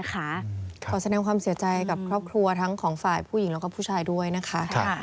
ขอแสดงความเสียใจกับครอบครัวทั้งของฝ่ายผู้หญิงแล้วก็ผู้ชายด้วยนะคะ